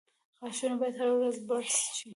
• غاښونه باید هره ورځ برس شي.